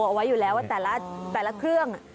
เอาไว้อยู่แล้วว่าแต่ละเครื่อง